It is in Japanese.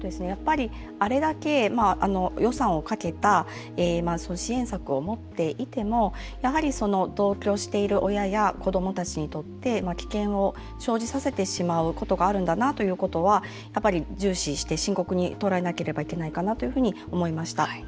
あれだけ予算をかけた支援策を持っていてもやはり、同居している親や子どもたちにとって危険を生じさせてしまうことがあるんだなということは重視して深刻に捉えなければいけないかなというふうに思いました。